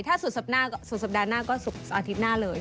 ถ้าสุดสัปดาห์หน้าก็สุดอาทิตย์หน้าเลย